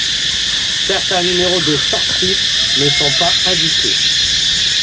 Certains numéros de sorties ne sont pas indiqués.